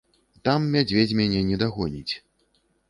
Там мядзведзь мяне не дагоніць.